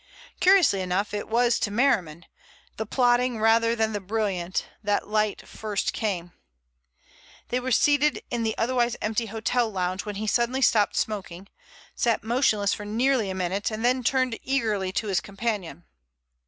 Curiously enough it was to Merriman, the plodding rather than the brilliant, that light first came. They were seated in the otherwise empty hotel lounge when he suddenly stopped smoking, sat motionless for nearly a minute, and then turned eagerly to his companion.